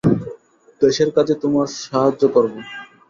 দেশের কাজে তোমার সাহায্য করব।